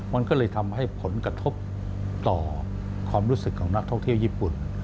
มันก็เลยทำให้ผลกระทบต่อความรู้สึกของนักท่องเที่ยวญี่ปุ่น